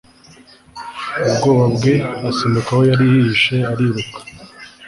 ubwoba bwe, asimbuka aho yari yihishe ariruka